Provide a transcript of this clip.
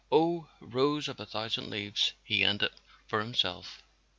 "Oh, Rose of a Thousand Leaves," he ended for himself.